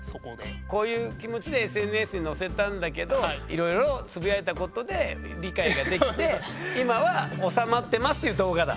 こういう気持ちでＳＮＳに載せたんだけどいろいろつぶやいたことで理解ができて今は収まってますっていう動画だ。